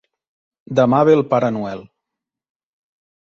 Demà ve el pare Noel.